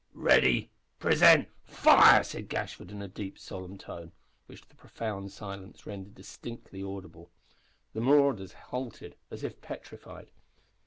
"Ready! Present! Fire!" said Gashford, in a deep, solemn tone, which the profound silence rendered distinctly audible. The marauders halted, as if petrified.